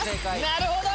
なるほど！